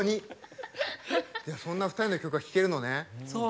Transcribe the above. そんな２人の曲が聴けるのね。